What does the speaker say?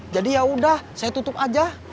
jadi yaudah saya tutup aja